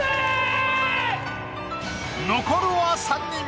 残るは三人。